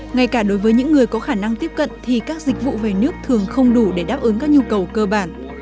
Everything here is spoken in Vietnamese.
ngay cả đối với những người có khả năng tiếp cận thì các dịch vụ về nước thường không đủ để đáp ứng các nhu cầu cơ bản